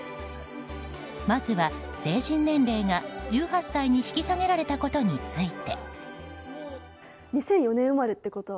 まずは、成人年齢が１８歳に引き下げられたことについて。